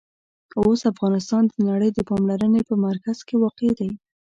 اوس افغانستان د نړۍ د پاملرنې په مرکز کې واقع دی.